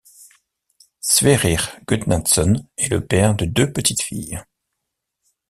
Sverrir Gudnason est le père de deux petites filles.